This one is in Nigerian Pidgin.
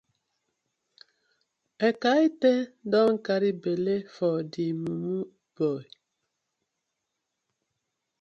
Ekaete don carry belle for dey mumu boy.